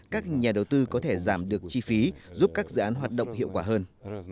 các nhà đầu tư có thể giảm được chi phí giúp các dự án hoạt động hiệu quả hơn